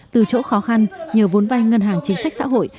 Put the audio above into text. từ chỗ khó khăn nhờ vốn vay ngân hàng chính sách xã hội